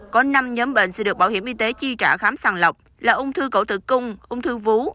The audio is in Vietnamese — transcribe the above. có năm nhóm bệnh sẽ được bảo hiểm y tế chi trả khám sàng lọc là ung thư cổ tử cung ung thư vú